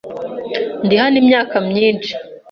Ndi hano imyaka myinshi.